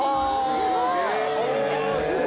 すごい。